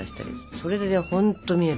それで本当見える。